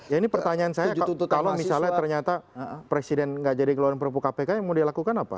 ya ini pertanyaan saya kalau misalnya ternyata presiden nggak jadi keluaran perpu kpk yang mau dilakukan apa